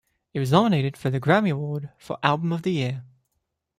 It was nominated for the Grammy Award for Album of the Year.